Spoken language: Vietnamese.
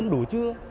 năm tháng đủ chưa